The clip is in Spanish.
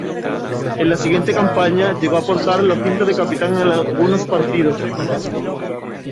En la siguiente campaña, llegó a portar la cinta de capitán en algunos partidos.